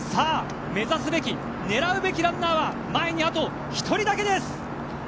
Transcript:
目指すべき、狙うべきランナーは前にあと１人だけです。